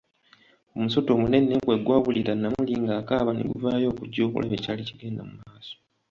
Omusota omunene bwe gw'awulira Namuli ng'akaaba ne guvayo okujja okulaba ekyali kigenda mu maaso.